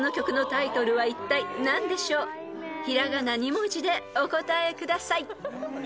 ［平仮名２文字でお答えください］